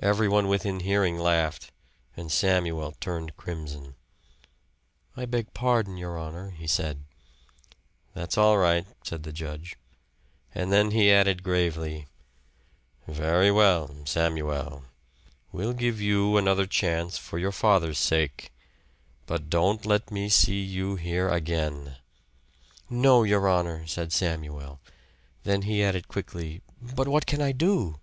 Everyone within hearing laughed; and Samuel turned crimson. "I beg pardon, your honor," he said. "That's all right," said the judge. And then he added gravely, "Very well, Samuel, we'll give you another chance for your father's sake. But don't let me see you here again." "No, your honor," said Samuel. Then he added quickly. "But what can I do?"